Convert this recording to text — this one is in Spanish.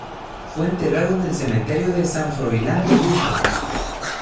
Fue enterrado en el cementerio de San Froilán de Lugo.